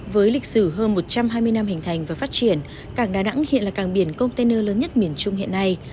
với lịch sử hơn một trăm hai mươi năm hình thành và phát triển cảng đà nẵng hiện là cảng biển container lớn nhất miền trung hiện nay